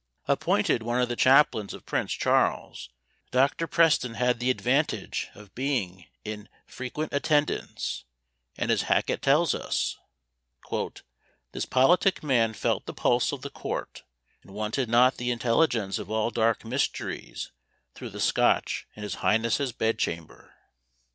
Appointed one of the chaplains of Prince Charles, Dr. Preston had the advantage of being in frequent attendance; and as Hacket tells us, "this politic man felt the pulse of the court, and wanted not the intelligence of all dark mysteries through the Scotch in his highness's bed chamber."